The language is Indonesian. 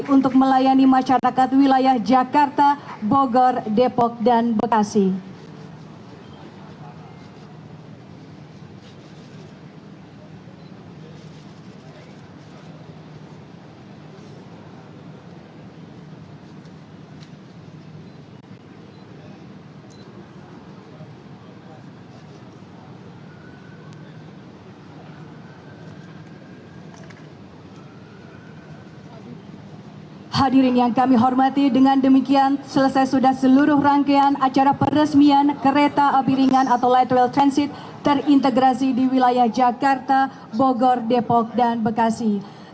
untuk melayani masyarakat wilayah jakarta bogor depok dan bekasi